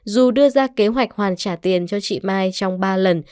dù đưa ra kế hoạch hoàn trả tiền cho chị mai trong ba lần